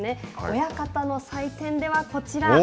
親方の採点では、こちら。